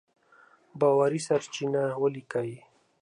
باوري سرچينې وليکئ!.